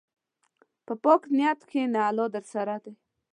په پاک نیت کښېنه، الله درسره دی.